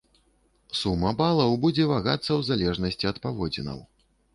Сума балаў будзе вагацца ў залежнасці ад паводзінаў.